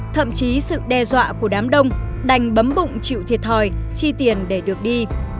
thậm chí sự đe dọa của đám đông đành bấm bụng chịu thiệt thòi chi tiền để được đi